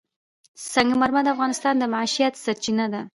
سنگ مرمر د افغانانو د معیشت سرچینه ده.